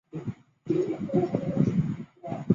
锐片毛蕨为金星蕨科毛蕨属下的一个种。